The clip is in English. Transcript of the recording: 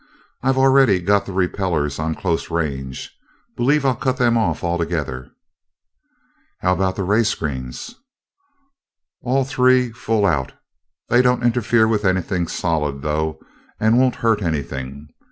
I've already got the repellers on close range believe I'll cut them off altogether." "How about the ray screens?" "All three full out. They don't interfere with anything solid, though, and won't hurt anything.